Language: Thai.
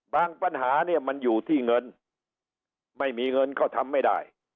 ปัญหาเนี่ยมันอยู่ที่เงินไม่มีเงินก็ทำไม่ได้